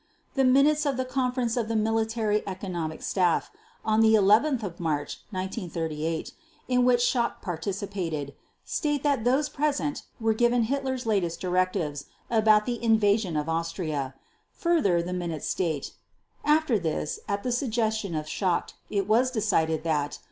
The minutes of the conference of the Military Economic Staff on 11 March 1938, in which Schacht participated, state that those present were given Hitler's latest directives about the invasion of Austria. Further, the minutes state: "After this, at the suggestion of Schacht, it was decided that